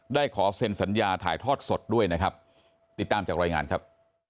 ขอเซ็นสัญญาถ่ายทอดสดด้วยนะครับติดตามจากรายงานครับ